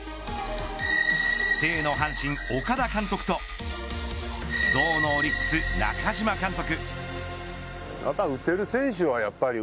静の阪神、岡田監督と動のオリックス、中嶋監督。